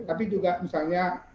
tapi juga misalnya